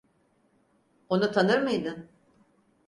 Onu tanır mıydın?